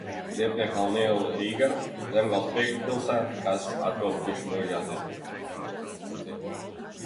Ziepniekkalna iela ir Rīgā, Zemgales priekšpilsētā, kas atrodas Bišumuižā un Ziepniekkalnā.